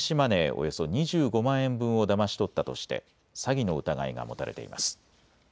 およそ２５万円分をだまし取ったとして詐欺の疑いが持たれています。